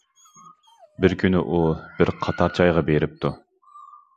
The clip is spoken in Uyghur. بىر كۈنى ئۇ بىر قاتار چايغا بېرىپتۇ.